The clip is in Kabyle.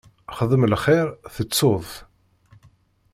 Xdem lxir, tettuḍ-t.